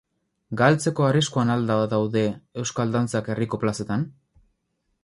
Galtzeko arriskuan al da daude euskal dantzak herriko plazatan?